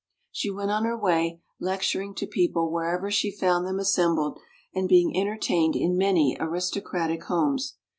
She went on her way, lecturing to people wherever she found them assembled and be ing entertained in many aristocratic homes.